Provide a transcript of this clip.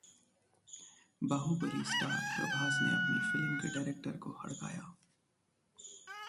'Baahubali' star Prabhas ने अपनी film के डायरेक्टर को हड़काया